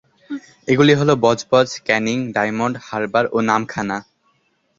এগুলি হল বজবজ, ক্যানিং, ডায়মন্ড হারবার ও নামখানা।